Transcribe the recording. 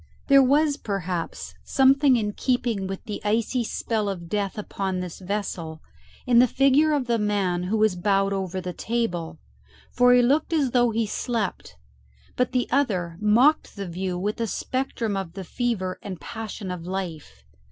There was perhaps something in keeping with the icy spell of death upon this vessel in the figure of the man who was bowed over the table, for he looked as though he slept; but the other mocked the view with a spectrum of the fever and passion of life.